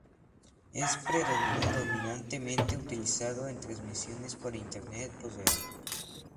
Es predominantemente utilizado en transmisiones por internet en tiempo real.